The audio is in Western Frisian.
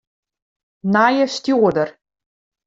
Nije stjoerder.